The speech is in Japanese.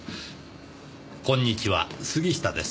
こんにちは杉下です。